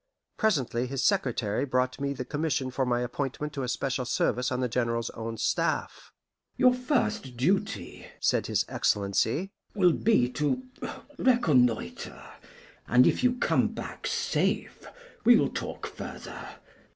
Presently his secretary brought me the commission for my appointment to special service on the General's own staff. "Your first duty," said his Excellency, "will be to reconnoitre; and if you come back safe, we will talk further."